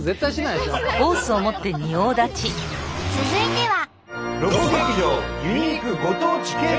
続いては。